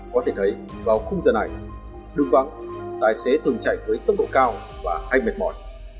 có thể thấy vào khung giờ này đường vắng tài xế thường chạy với tốc độ cao và hay mệt mỏi